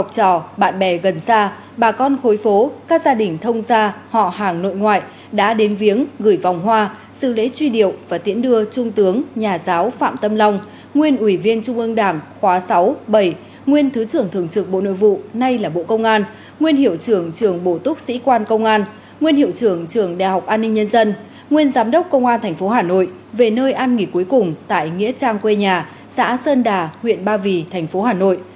dân bà con khối phố các gia đình thông gia họ hàng nội ngoại đã đến viếng gửi vòng hoa xư lễ truy điệu và tiễn đưa trung tướng nhà giáo phạm tâm long nguyên ủy viên trung ương đảng khóa sáu bảy nguyên thứ trưởng thường trực bộ nội vụ nay là bộ công an nguyên hiệu trưởng trường bộ túc sĩ quan công an nguyên hiệu trưởng trường đại học an ninh nhân dân nguyên giám đốc công an tp hà nội về nơi ăn nghỉ cuối cùng tại nghĩa trang quê nhà xã sơn đà huyện ba vì tp hà nội